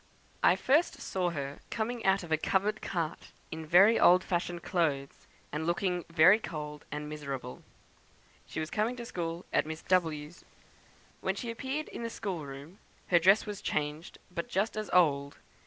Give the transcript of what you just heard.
"I first saw her coming out of a covered cart, in very old fashioned clothes, and looking very cold and miserable. She was coming to school at Miss W 's. When she appeared in the schoolroom, her dress was changed, but just as old.